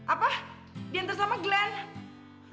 apa diantar sama glenn